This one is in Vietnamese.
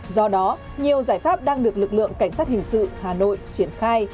do đó nhiều giải pháp đang được lực lượng cảnh sát hình sự hà nội triển khai